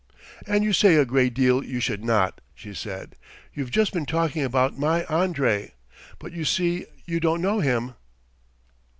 "And you say a great deal you should not," she said. "You've just been talking about my Andrey, but you see you don't know him."